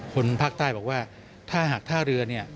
คนภาคนใต้บอกว่าถ้าหักท่าเรือ